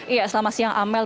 iya selamat siang amel